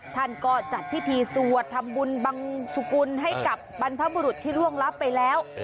ท่านก็จัดพิธีสวดทำบุญบังสุกุลให้กับบรรพบุรุษที่ร่วงรับไปแล้ว